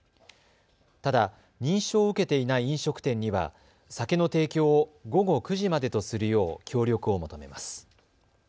ただ認証を受けていない飲食店には酒の提供を午後９時までとするよう協力を求めます。